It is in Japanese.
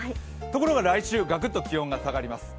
ところが来週、ガクッと気温が下がります。